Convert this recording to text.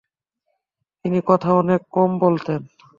তিনি কথা অনেক কম বলতেন।